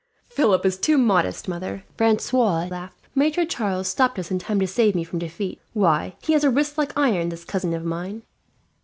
"Philip is too modest, mother," Francois laughed. "Maitre Charles stopped us in time to save me from defeat. Why, he has a wrist like iron, this cousin of mine."